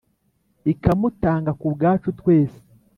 ikamutanga ku bwacu twese,